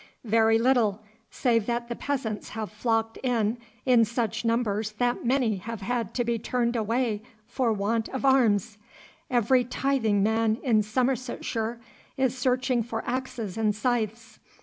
'Very little, save that the peasants have flocked in in such numbers that many have had to be turned away for want of arms. Every tithing man in Somersetshire is searching for axes and scythes.